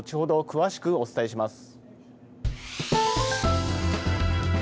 詳しくお伝えします。